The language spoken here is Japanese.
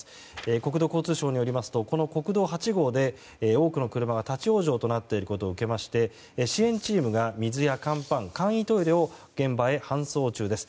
国土交通省によりますとこの国道８号で多くの車が立ち往生となっていることを受けまして支援チームが水や乾パン簡易トイレを現場へ搬送中です。